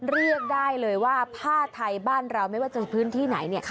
เรียกได้เลยว่าผ้าไทยบ้านเราไม่ว่าจะพื้นที่ไหน